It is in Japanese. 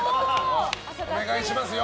お願いしますよ。